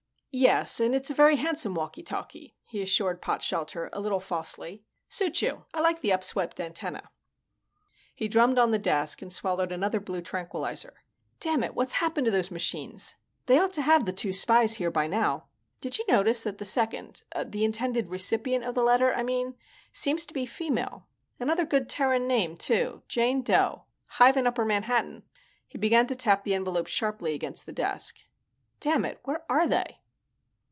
"Yes, and it's a very handsome walky talky," he assured Potshelter a little falsely. "Suits you. I like the upswept antenna." He drummed on the desk and swallowed another blue tranquilizer. "Dammit, what's happened to those machines? They ought to have the two spies here by now. Did you notice that the second the intended recipient of the letter, I mean seems to be female? Another good Terran name, too, Jane Dough. Hive in Upper Manhattan." He began to tap the envelope sharply against the desk. "Dammit, where are they?"